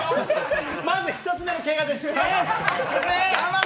まず１つ目のけがです。